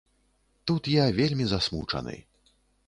Тут я вельмі засмучаны.